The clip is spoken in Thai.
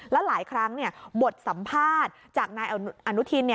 แล้วหลายครั้งบทสัมภาษณ์จากนายอนุทิน